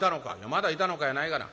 「『まだいたのか』やないがな。